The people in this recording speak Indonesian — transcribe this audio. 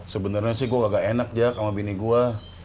sebenarnya sih gua enak jaka bini gua